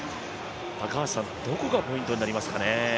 高橋さん、どこがポイントになりますかね？